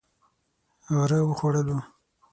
غره و خوړلو.